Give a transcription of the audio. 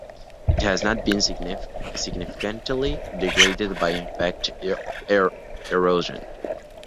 It has not been significantly degraded by impact erosion.